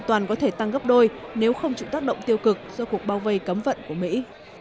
toàn có thể tăng gấp đôi nếu không chịu tác động tiêu cực do cuộc bao vây cấm vận của mỹ